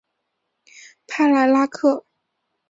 帕莱拉克。